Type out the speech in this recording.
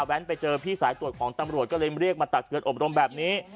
ไปเจอพี่สายตรวจของตำรวจก็เลยเรียกมาตักเตือนอบรมแบบนี้